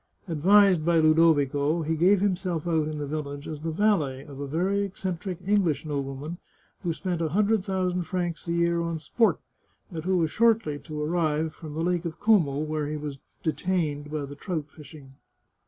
Advised by Ludovico, he gave himself out in the village as the valet of a very eccentric English nobleman who spent a hundred thousand francs a year on sport, and who was shortly to arrive from the Lake of Como, where he was detained by the trout fishing.